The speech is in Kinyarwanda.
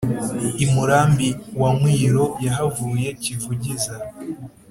i murambi wa nkwiro yahavuye kivugiza,